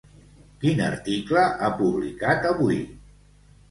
Quin article ha publicat avui?